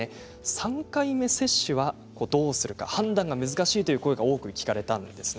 ３回目接種はどうするか判断が難しいという声が多く聞かれたんです。